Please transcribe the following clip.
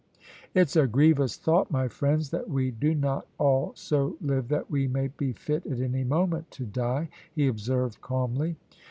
"It's a grievous thought, my friends, that we do not all so live that we may be fit at any moment to die," he observed calmly.